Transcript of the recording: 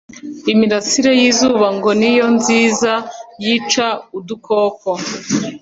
Imirasire y'izuba ngo niyo nziza yica udukoko.